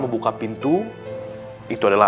membuka pintu itu adalah